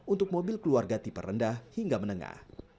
untuk mobil keluarga tipe rendah hingga menengah